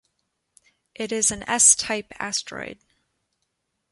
It is an S-type asteroid.